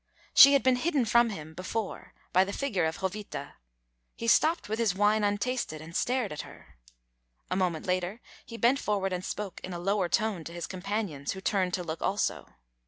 She had been hidden from him before by the figure of Jovita. He stopped with his wine untasted and stared at her. A moment later he bent forward and spoke in a lower tone to his companions, who turned to look also.